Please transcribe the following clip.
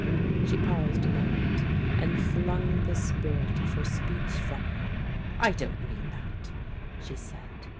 She paused a moment, and flung the spirit of her speech from her. "I don't mean that," she said.